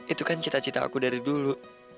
itu kan cita cita aku dari dulu